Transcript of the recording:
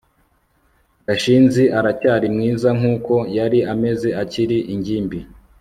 gashinzi aracyari mwiza nkuko yari ameze akiri ingimbi